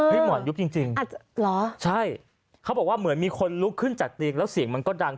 หมอนยุบจริงจริงอาจจะเหรอใช่เขาบอกว่าเหมือนมีคนลุกขึ้นจากเตียงแล้วเสียงมันก็ดัง